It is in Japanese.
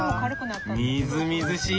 みずみずしい！